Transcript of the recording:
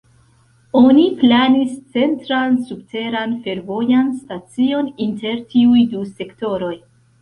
Oni planis centran subteran fervojan stacion inter tiuj du sektoroj.